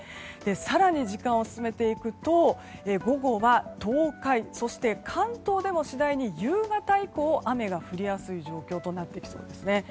更に時間を進めていくと午後は東海、関東でも次第に夕方以降、雨が降りやすい状況となってきそうですね。